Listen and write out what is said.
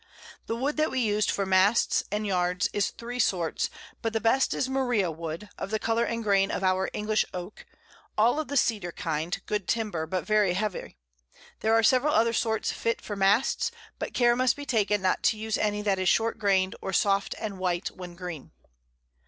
The Wood that we us'd for Masts and Yards is 3 sorts, but the best is Maria Wood, of the Colour and Grain of our English Oak, all of the Cedar Kind, good Timber, but very heavy. There are several other sorts fit for Masts, but Care must be taken not to use any that is short grain'd, or soft and white when green.